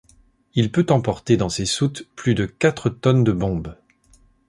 Il peut emporter dans ses soutes plus de quatre tonnes de bombes.